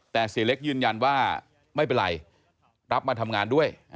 แต่เสียเล็กยืนยันว่าไม่เป็นไรรับมาทำงานด้วย